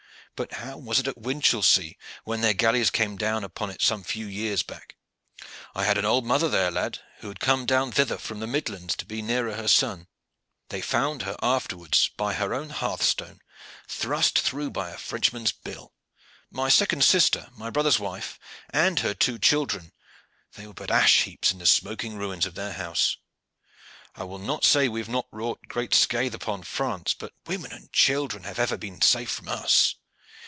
But how was it at Winchelsea when their galleys came down upon it some few years back? I had an old mother there, lad, who had come down thither from the Midlands to be the nearer her son. They found her afterwards by her own hearthstone, thrust through by a Frenchman's bill. My second sister, my brother's wife, and her two children, they were but ash heaps in the smoking ruins of their house. I will not say that we have not wrought great scath upon France, but women and children have been safe from us.